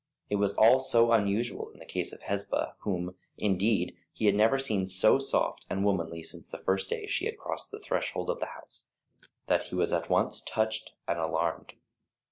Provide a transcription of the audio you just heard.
It was all so unusual in the case of Hesba, whom, indeed, he had never seen so soft and womanly since the first day she had crossed the threshold of the house, that he was at once touched and alarmed.